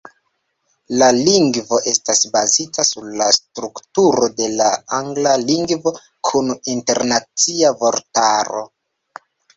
La lingvo estas bazita sur la strukturo de la angla lingvo kun internacia vortaro.